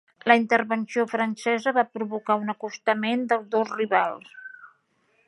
La intervenció francesa va provocar un acostament dels dos rivals.